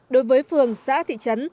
đối với phường xã thị trấn